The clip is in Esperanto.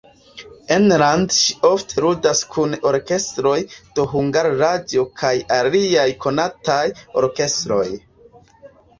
Enlande ŝi ofte ludas kun orkestroj de Hungara Radio kaj aliaj konataj orkestroj.